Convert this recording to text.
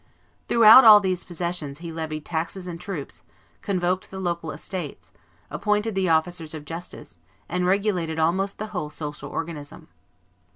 Throughout all these possessions he levied taxes and troops, convoked the local estates, appointed the officers of justice, and regulated almost the whole social organism.